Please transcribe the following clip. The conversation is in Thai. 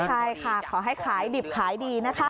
ใช่ค่ะขอให้ขายดิบขายดีนะคะ